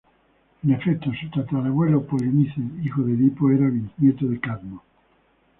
En efecto, su tatarabuelo Polinices, hijo de Edipo, era bisnieto de Cadmo.